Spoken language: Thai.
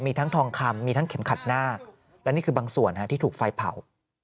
มีทั้งทองคำมีทั้งเข็มขัดหน้าและนี่คือบางส่วนที่ถูกไฟเผา